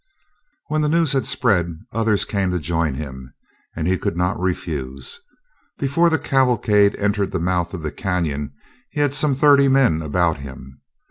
When the news had spread, others came to join him, and he could not refuse. Before the cavalcade entered the mouth of the canyon he had some thirty men about him.